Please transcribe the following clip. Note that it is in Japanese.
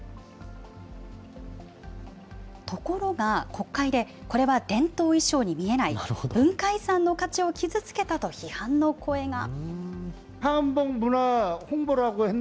ところが、国会でこれは伝統衣装に見えない、文化遺産の価値を傷つけたと批判の声が。